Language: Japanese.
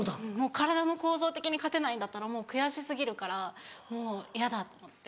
体の構造的に勝てないんだったらもう悔し過ぎるからもうヤダ！と思って。